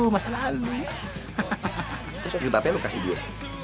terus jilbabnya lu kasih dia